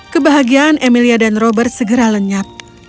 kebahagiaan emilia dan robert segera lenyap